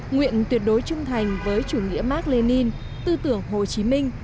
nguyện tuyệt đối trung thành với chủ nghĩa mark lenin tư tưởng hồ chí minh